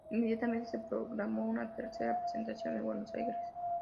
Inmediatamente se programó una tercera presentación en Buenos Aires.